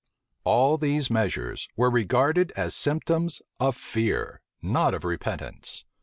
All these measures were regarded as symptoms of fear, not of repentance.